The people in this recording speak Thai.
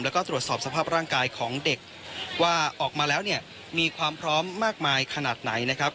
แล้วก็ตรวจสอบสภาพร่างกายของเด็กว่าออกมาแล้วเนี่ยมีความพร้อมมากมายขนาดไหนนะครับ